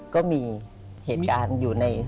ก็มีเหตุการณ์อยู่ใน